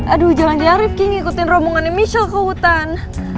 aduh jangan jangan rivki ngikutin rombongannya michelle ke hutan